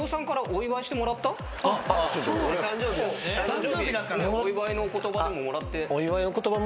お祝いの言葉でももらって。